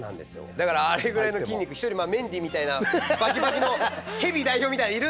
だからあれぐらいの筋肉一人メンディーみたいなバキバキのヘビ代表みたいなのいるんですけど。